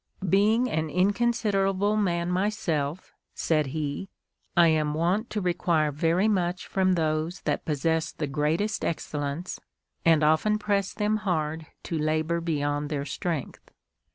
' Being an inconsiderable man myself,' said he, 'I am wont to require very much from those that possess the greatest excellence, and often press them hard to labour beyond their strength."